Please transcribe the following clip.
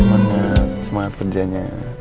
semuanya semuanya perjanya